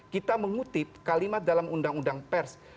kita mengutip kalimat dalam undang undang pers